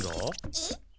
えっ？